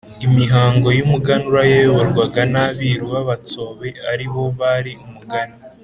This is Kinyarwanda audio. imihango y umuganura yayoborwaga n abiru b abatsobe ari bo bari umugani